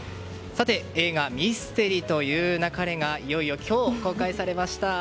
映画「ミステリと言う勿れ」がいよいよ今日公開されました。